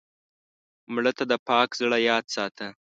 مړه ته د پاک زړه یاد ساته